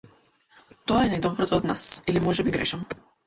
Тоа е најдоброто од нас или можеби грешам.